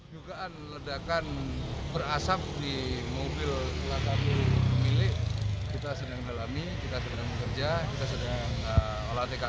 jugaan ledakan berasap di mobil latar beli pemilik